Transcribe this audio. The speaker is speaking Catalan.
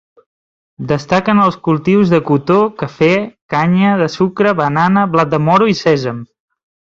Destaquen els cultius de cotó, cafè, canya de sucre, banana, blat de moro i sèsam.